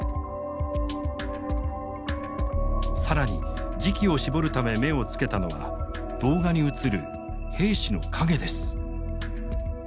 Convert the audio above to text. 更に時期を絞るため目をつけたのは動画に映る兵士の影です。